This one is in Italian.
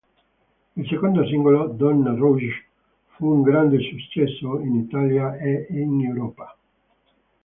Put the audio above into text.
Il secondo singolo, Donna Rouge, fu un grande successo in Italia e in Europa.